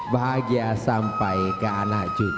bahagia sampai ke anak kita